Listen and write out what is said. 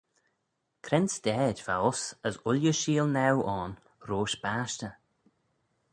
Cre'n stayd va uss as ooilley sheelnaaue ayn roish bashtey?